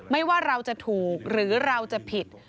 ว่าเราจะถูกหรือเราจะผิด